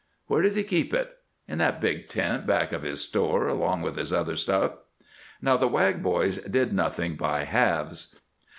"Where does he keep it?" "In that big tent back of his store, along with his other stuff." Now, the Wag boys did nothing by halves.